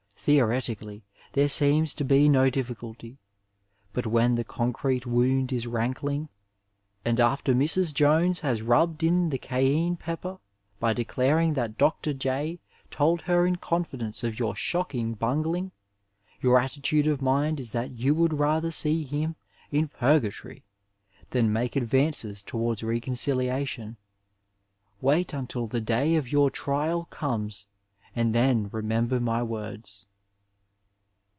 Theoretically there seems to be no difficulty, but when the concrete wound is rankling, and after Mrs. Jones has rubbed in the cayenne pepper by declaring that Dr. J. told her in confidence of your shocking bungling, your at titude of mind is that you would rather see him in purga tory than make advances towards reconciliation. Wait until the day of your trial comes and then remember my words.